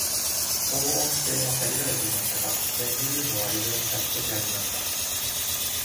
防音性は限られていましたが、レッグルームは異常にたっぷりありました。